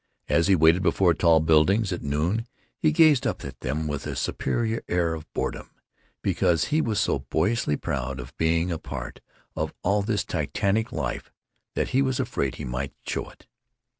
As he waited before tall buildings, at noon, he gazed up at them with a superior air of boredom—because he was so boyishly proud of being a part of all this titanic life that he was afraid he might show it.